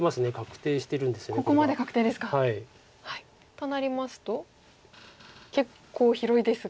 となりますと結構広いですが。